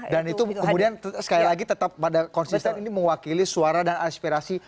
dan itu kemudian sekali lagi tetap pada konsisten ini mewakili suara dan aspirasi